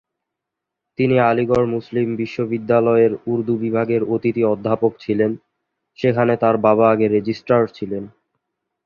তিনি আলিগড় মুসলিম বিশ্ববিদ্যালয়ের উর্দু বিভাগের অতিথি অধ্যাপক ছিলেন, সেখানে তার বাবা আগে রেজিস্ট্রার ছিলেন।